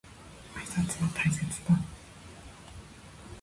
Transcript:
挨拶は大切だ。